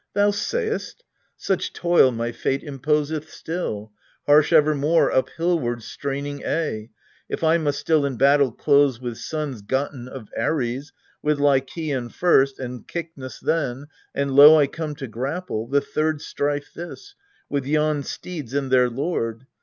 Thousayst: such toil my fate imposeth still, Harsh evermore, uphillward straining aye, If I must still in battle close with sons Gotten of Ares ; with Lykaon first, And Kyknus then : and lo, I come to grapple The third strife this with yon steeds and their lord.